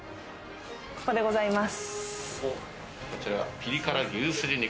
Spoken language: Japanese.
ここでございます。